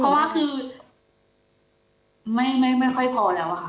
เพราะว่าคือไม่ค่อยพอแล้วอะค่ะ